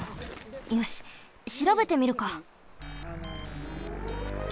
よししらべてみるか。